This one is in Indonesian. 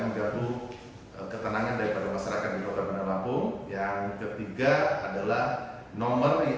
perangkat buku ketenangan daripada masyarakat di kota benar lampung yang ketiga adalah nomor